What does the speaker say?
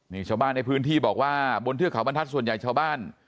นี่ชาวบ้านในพื้นที่บอกว่าบนเทือกเขาบรรทัศน์ส่วนใหญ่ชาวบ้าน